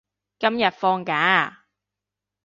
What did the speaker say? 今日放假啊？